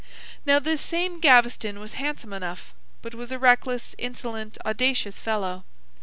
Now, this same Gaveston was handsome enough, but was a reckless, insolent, audacious fellow.